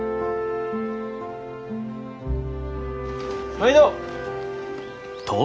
まいど！